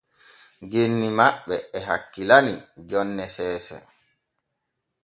Genni ma ɓe e hakkilani jonne seese.